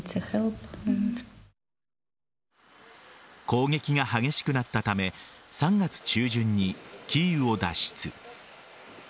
攻撃が激しくなったため３月中旬にキーウを脱出。